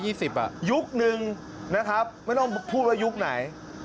ยุคนึงนะครับไม่ต้องพูดว่ายุคไหน